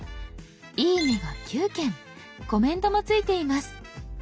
「いいね」が９件コメントもついています。